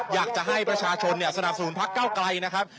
อยากจะให้ประชาชนสนับสนุนพักเก้าไกลนะครับ